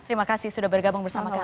terima kasih sudah bergabung bersama kami